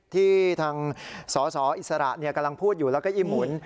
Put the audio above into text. ที่ทางสสอิสระกำลังพูดอยู่แล้วก็อีหมุน